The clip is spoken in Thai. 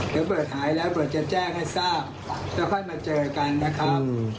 เดี๋ยวเบิร์ดหายแล้วเบิดจะแจ้งให้ทราบแล้วค่อยมาเจอกันนะครับ